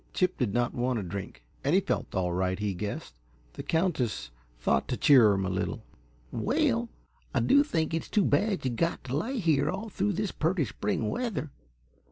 Chip did not want a drink, and he felt all right, he guessed. The Countess thought to cheer him a little. "Well, I do think it's too bad yuh got t' lay here all through this purty spring weather.